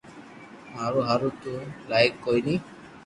ماري ھارون تو لائق ڪوئي ني